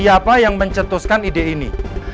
saya orang yang mencintai elsa